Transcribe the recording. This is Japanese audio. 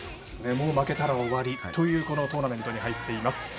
もう負けたら終わりというトーナメントに入っています。